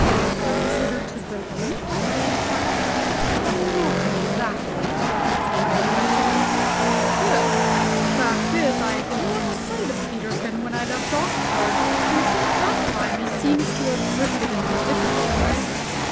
"A visitor to Boulogne?" I inquired. "Not exactly." "A resident?" "Yes. The fact is, I lost sight of Peterkin when I left Oxford and since that time he seems to have drifted into difficulties.